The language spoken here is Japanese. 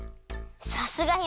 さすが姫！